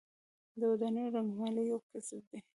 د ودانیو رنګمالي یو کسب دی